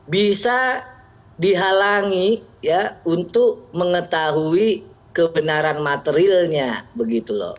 bisa dihalangi ya untuk mengetahui kebenaran materialnya begitu loh